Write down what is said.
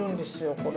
これ。